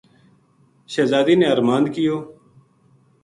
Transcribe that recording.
شہزادی نے ارماند کیو